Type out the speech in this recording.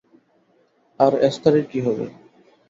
আর এস্থারের কী হবে?